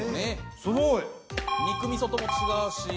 すごい！肉味噌とも違うし。